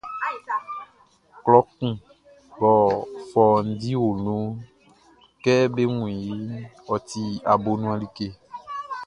Klɔ kun mɔ fɔundi o nunʼn, kɛ be wun iʼn, ɔ ti abonuan like.